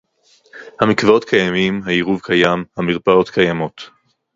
המקוואות קיימים, העירוב קיים, המרפאות קיימות